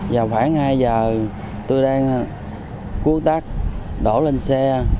và khoảng hai giờ tôi đang cuốc đất đổ lên xe